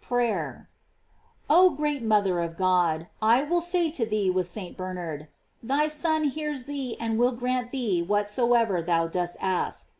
PRAYER. Oh great mother of God, I will say to thee with St. Bernard: Thy Son hears thee and will grant thee whatsoever thou dost ask.